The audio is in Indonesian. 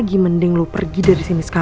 gue udah kerja riki